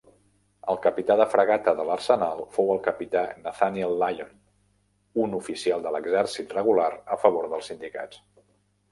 El capità de fragata de l'Arsenal fou el Capità Nathaniel Lyon, un oficial de l'exèrcit regular a favor dels sindicats.